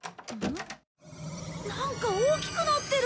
なんか大きくなってる！